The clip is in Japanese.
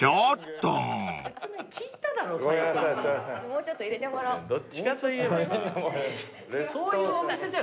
「もうちょっと入れてもらおう」とか。